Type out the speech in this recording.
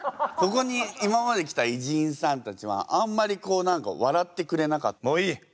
ここに今まで来た偉人さんたちはあんまりこう何か笑ってくれなかった。